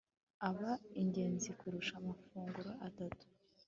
aba ingenzi kurusha amafunguro atatu